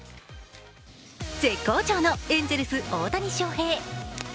絶好調のエンゼルス・大谷翔平。